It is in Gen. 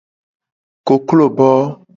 Koklo bo.